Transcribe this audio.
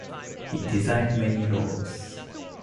He designed many logos.